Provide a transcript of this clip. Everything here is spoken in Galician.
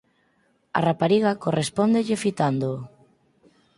A rapariga correspóndelle fitándoo.